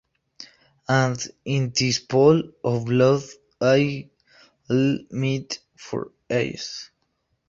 And in this pool of blood, I´ll meet your eyes.